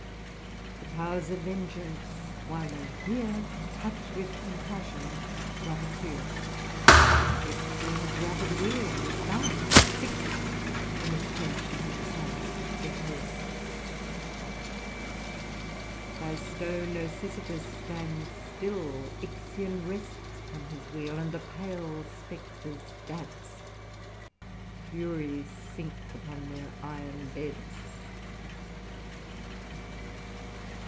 *''* The pow'rs of vengeance, while they hear, Touch'd with compassion, drop a tear ; Ixion's rapid wheel is bound, Fix'd in attention to the sound," F. Lbwis. '* Thy stone, O Sysiphus, stands still, Ixion rests upon his wheel, And the pale spectres dance ! The furies sink upon their iron beds.